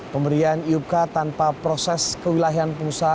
pemberian iupka tanpa proses kewilahian pengusaha